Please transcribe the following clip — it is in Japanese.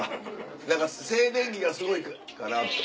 何か静電気がすごいんかな。